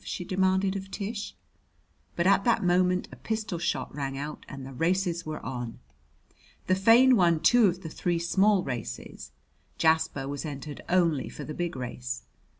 she demanded of Tish. But at that moment a pistol shot rang out and the races were on. The Fein won two of the three small races. Jasper was entered only for the big race.